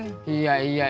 di pos ronda ketiduran